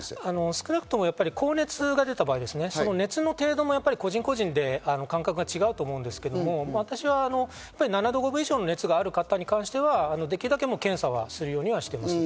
少なくとも高熱が出た場合、熱の程度も個人個人で感覚が違うと思うんですけど、私は７度５分以上の熱がある方に関してはできるだけ検査はするようにしています。